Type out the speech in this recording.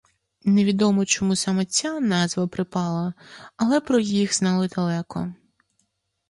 Невідомо, чому саме ця назва припала, але про їх знали далеко.